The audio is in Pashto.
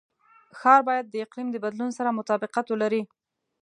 ښار باید د اقلیم د بدلون سره مطابقت ولري.